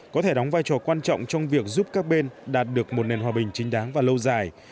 có thể đóng vai trò quan trọng trong việc giúp các bên đạt được một nền hòa bình chính đáng và lâu dài